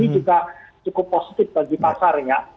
ini juga cukup positif bagi pasarnya